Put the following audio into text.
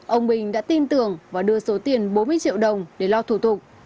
ông bình đã tin tưởng và đưa số tiền bốn mươi triệu đồng để lo thủ tục